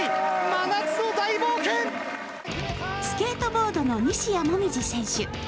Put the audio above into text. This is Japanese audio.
スケートボードの西矢椛選手。